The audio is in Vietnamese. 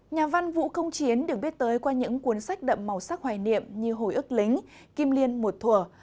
nhà văn vũ công chiến được biết tới qua những cuốn sách đậm màu sắc hoài niệm như hồi ức lính kim liên một thủa